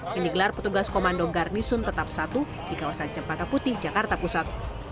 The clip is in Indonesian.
yang digelar petugas komando garnison tetap satu di kawasan jepang kaputi jakarta pusat